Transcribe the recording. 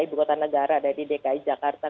ibu kota negara dari dki jakarta